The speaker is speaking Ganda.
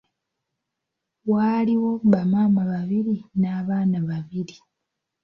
Waaliwo bamaama babiri n’abaana babiri.